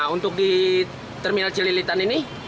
nah untuk di terminal celilitan ini